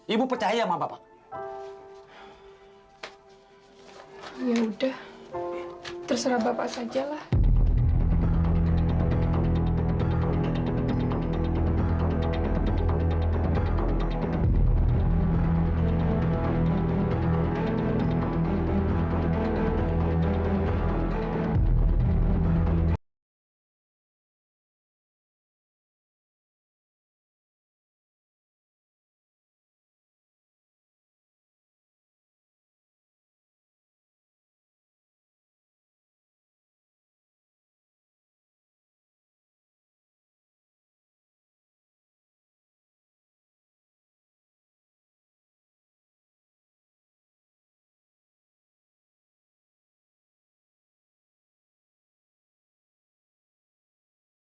ibu percaya sama bapak